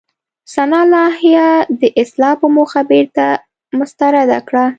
سنا لایحه د اصلاح په موخه بېرته مسترده کړه.